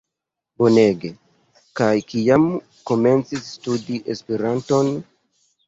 Bonege! kaj kiam komencis studi Esperanton?